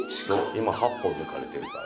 今８本抜かれてるから。